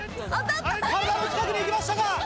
体の近くに行きましたが。